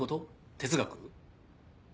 哲学？